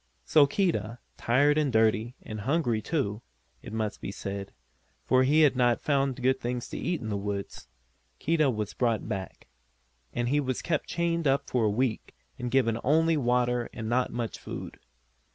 So Keedah, tired and dirty, and hungry too, it must be said for he had not found good things to eat in the woods Keedah was brought back. And he was kept chained up for a week, and given only water and not much food.